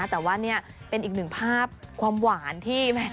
แต่ว่านี่เป็นอีกหนึ่งภาพความหวานที่